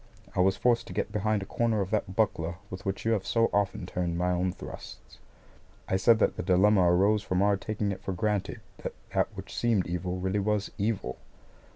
I was forced to get behind a corner of that buckler with which you have so often turned my own thrusts. I said that the dilemma arose from our taking it for granted that that which seemed evil really was EVIL.